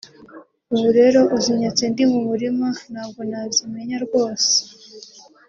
ubu rero uzinyatse ndi mu murima ntabwo nazimenya rwose